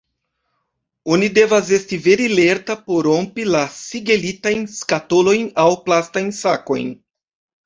Oni devas esti vere lerta por rompi la sigelitajn skatolojn aŭ plastajn sakojn.